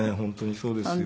そうですよね。